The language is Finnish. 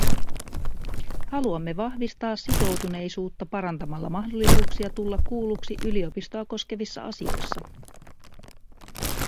Haluamme vahvistaa sitoutuneisuutta parantamalla mahdollisuuksia tulla kuulluksi yliopistoa koskevissa asioissa.